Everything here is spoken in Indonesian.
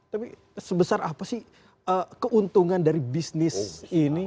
tapi sebesar apa sih keuntungan dari bisnis ini